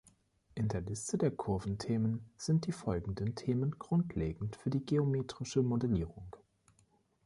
In der Liste der Kurventhemen sind die folgenden Themen grundlegend für die geometrische Modellierung.